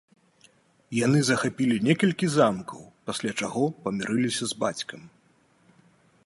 Яны захапілі некалькі замкаў, пасля чаго памірыліся з бацькам.